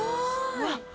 うわっ。